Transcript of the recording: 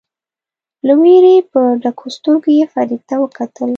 له وېرې په ډکو سترګو یې فرید ته وکتل.